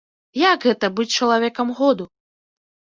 Як гэта быць чалавекам году?